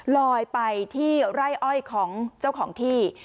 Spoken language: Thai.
ลอยไปที่ไร่อ้อยของเจ้าของที่